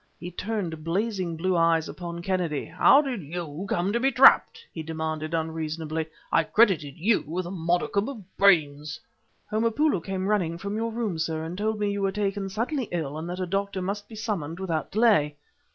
He turned blazing blue eyes upon Kennedy. "How did you come to be trapped?" he demanded unreasonably. "I credited you with a modicum of brains!" "Homopoulo came running from your room, sir, and told me you were taken suddenly ill and that a doctor must be summoned without delay."